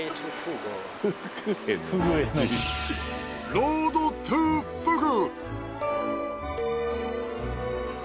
ロードトゥフグ！